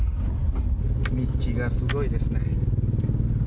道がすごいですね。